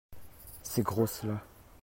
Ces grosses-là.